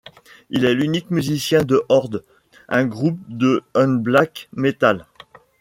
Il est l'unique musicien de Horde, un groupe de unblack metal.